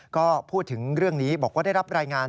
ก็พูดถึงเรื่องนี้บอกว่าได้รับรายงาน